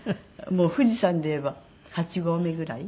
もう富士山で言えば８合目ぐらい？